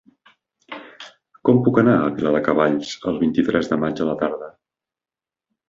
Com puc anar a Viladecavalls el vint-i-tres de maig a la tarda?